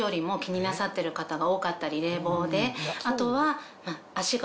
あとは。